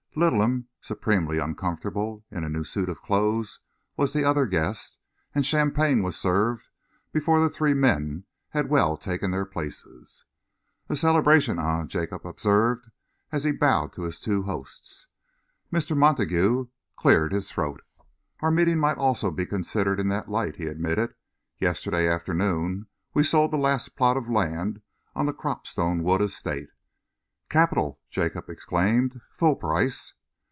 Littleham, supremely uncomfortable in a new suit of clothes, was the other guest, and champagne was served before the three men had well taken their places. "A celebration, eh?" Jacob observed, as he bowed to his two hosts. Mr. Montague cleared his throat. "Our meeting might almost be considered in that light," he admitted. "Yesterday afternoon we sold the last plot of land on the Cropstone Wood Estate." "Capital!" Jacob exclaimed. "Full price?"